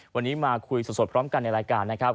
วันนี้มาคุยสดพร้อมกันในรายการนะครับ